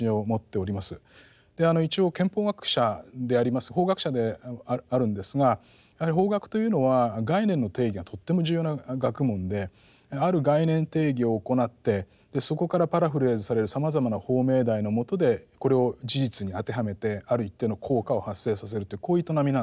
で一応憲法学者であります法学者であるんですがやはり法学というのは概念の定義がとっても重要な学問である概念定義を行ってそこからパラフレーズされるさまざまな法命題の下でこれを事実に当てはめてある一定の効果を発生させるというこういう営みなんですね。